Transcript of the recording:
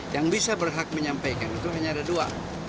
yang bisa berhak menyampaikan itu hanya ada dua